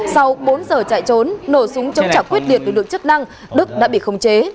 sau bốn giờ chạy trốn nổ súng chống trả quyết liệt lực lượng chức năng đức đã bị khống chế